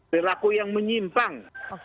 berlaku yang menyimpang